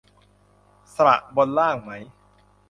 สระบนล่างไหม ?